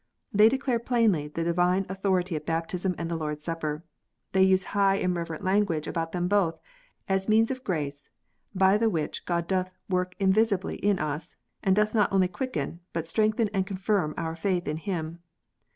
They declare plainly the divine authority of Baptism and the Lord s Supper. They use high and reverent language about them both, as means of grace, "by the which God doth work invisibly in us, and doth not only quicken, but strengthen and confirm our faith in Him."